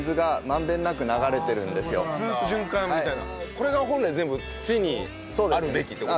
これが本来全部土にあるべきって事なんですよね？